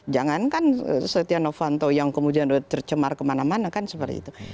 jangankan setia novanto yang kemudian tercemar kemana mana kan seperti itu